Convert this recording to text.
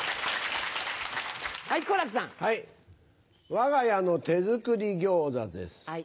わが家の手作り餃子です。